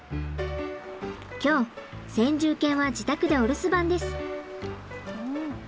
今日先住犬は自宅でお留守番です。